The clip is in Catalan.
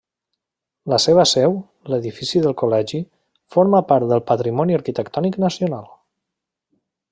La seva seu, l'Edifici del Col·legi, forma part del patrimoni arquitectònic nacional.